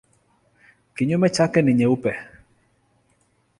Kinyume chake ni nyeupe.